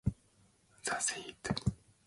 The seat of the municipality was in Chiliomodi.